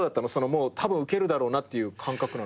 たぶんウケるだろうなっていう感覚なの？